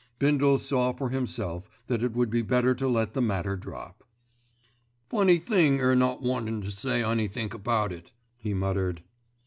Bindle saw for himself that it would be better to let the matter drop. "Funny thing 'er not wantin' to say anythink about it," he muttered.